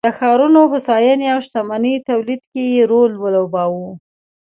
د ښارونو هوساینې او شتمنۍ تولید کې یې رول ولوباوه